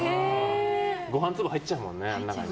ご飯入っちゃうもんねあの中に。